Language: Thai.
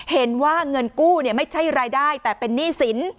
เห็นว่าเงินกู้ไม่ใช่รายได้แต่เป็นหนี้สิน